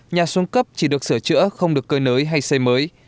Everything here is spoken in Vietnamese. nhà xuống cấp chỉ được sửa chữa không được cơi nới hay xây mới